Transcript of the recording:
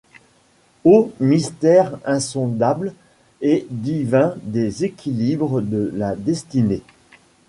Ô mystère insondable et divin des équilibres de la destinée!